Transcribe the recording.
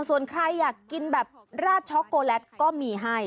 ส่วนใครอยากกินแบบราดช็อกโกแลตก็มีให้